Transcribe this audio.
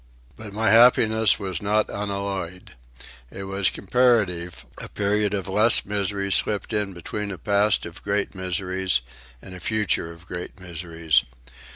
But my happiness was not unalloyed. It was comparative, a period of less misery slipped in between a past of great miseries and a future of great miseries.